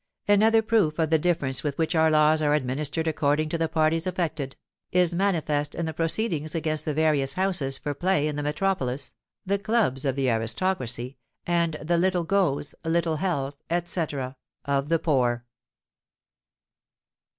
Another proof of the difference with which our laws are administered according to the parties affected, is manifest in the proceedings against the various houses for play in the metropolis, the clubs of the aristocracy and the 'little goes,' little hells, &c. of the poor."